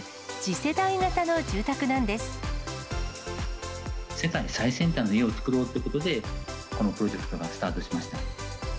世界最先端の家を作ろうということで、このプロジェクトがスタートしました。